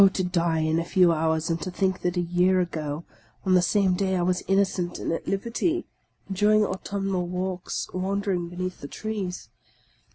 to die in a few hours, and to think that a year ago, on the same day, I was innocent and at liberty, enjoying auiumnal walks, wandering beneath the trees!